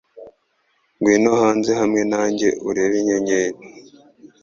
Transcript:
Ngwino hanze hamwe nanjye urebe inyenyeri.